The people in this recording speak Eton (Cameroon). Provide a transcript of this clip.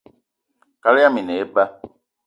Kaal yama i ne eba